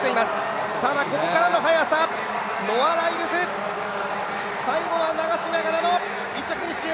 ノア・ライルズ最後は流しながらの１着フィニッシュ。